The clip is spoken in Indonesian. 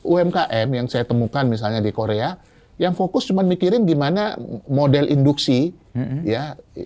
umkm yang saya temukan misalnya di korea yang fokus cuman mikirin gimana model induksi ya